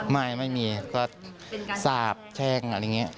ไม่ไม่มีคือก็สราบแช่ง